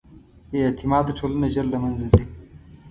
بېاعتماده ټولنه ژر له منځه ځي.